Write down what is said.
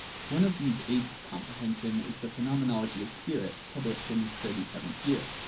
One of these aids to comprehension is the Pheno menology of Spirit, published in his thirty seventh year.